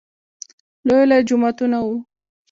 لوى لوى جوماتونه وو.